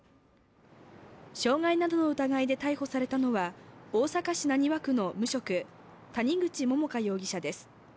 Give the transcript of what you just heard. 傷害などの疑いで逮捕されたのは大阪市浪速区の無職谷口桃花容疑者です。